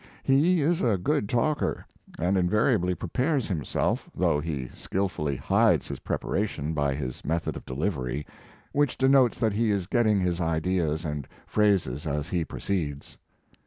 149 He is a good talker, and invariably prepares himself, though he skillfully hides his preparation by his method of delivery, which denotes that he is getting his ideas and phrases as he proceeds.